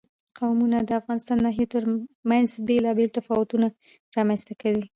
قومونه د افغانستان د ناحیو ترمنځ بېلابېل تفاوتونه رامنځ ته کوي.